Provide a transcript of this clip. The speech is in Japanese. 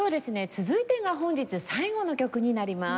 続いてが本日最後の曲になります。